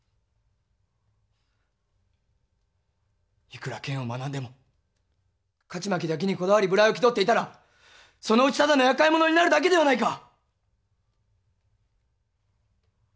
いくら剣を学んでも勝ち負けだけにこだわり無頼を気取っていたらそのうちただの厄介者になるだけではないか！